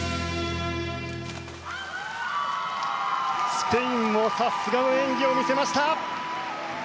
スペインもさすがの演技を見せました。